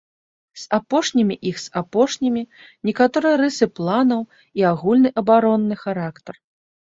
З апошнімі іх з апошнімі некаторыя рысы планаў і агульны абаронны характар.